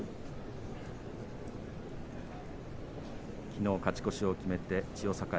きのう勝ち越しを決めて千代栄